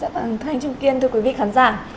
vâng thưa anh trung kiên thưa quý vị khán giả